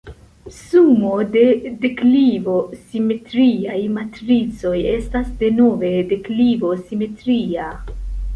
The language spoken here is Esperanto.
Sumo de deklivo-simetriaj matricoj estas denove deklivo-simetria.